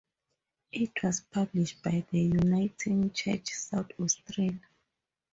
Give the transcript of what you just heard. It was published by the Uniting Church South Australia.